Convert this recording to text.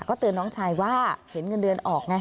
เตือนน้องชายว่าเห็นเงินเดือนออกไง